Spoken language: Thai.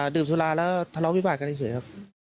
ดื่มสุราแล้วทะเลาะวิบาทกันเฉยครับ